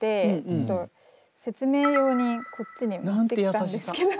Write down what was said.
ちょっと説明用にこっちに持ってきたんですけど。